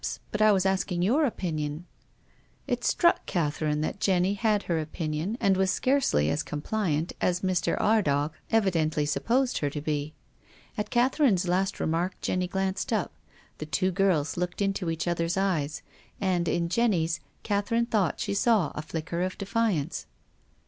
But I was asking your opinion." It struck Catherine that Jenny had her opinion and was scarcely as compliant as Mr. Ardagh evi dently supposed her to be. At Catherine's last re mark Jenny glanced up. The two girls looked into each other's eyes, and, in Jenny's, Catherine thought she saw a flickering defiance.